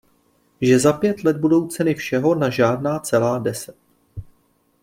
Že za pět let budou ceny všeho na žádná celá deset.